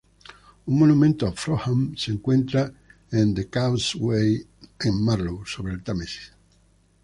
Un monumento a Frohman se encuentra en The Causeway en Marlow sobre el Támesis.